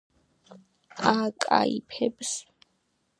ააკიაფებს